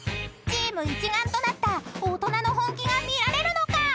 ［チーム一丸となった大人の本気が見られるのか⁉］